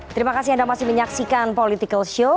terima kasih anda masih menyaksikan political show